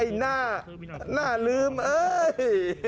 หน้าหน้าลืมเอ้ย